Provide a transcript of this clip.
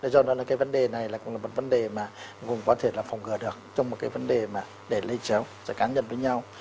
do đó là cái vấn đề này cũng là một vấn đề mà gồm có thể là phòng ngừa được trong một cái vấn đề mà để lây chéo cá nhân với nhau